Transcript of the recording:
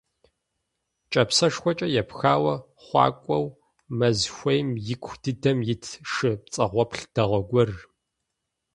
Кӏапсэшхуэкӏэ епхауэ хъуакӏуэу, мэз хуейм ику дыдэм итт шы пцӏэгъуэплъ дэгъуэ гуэр.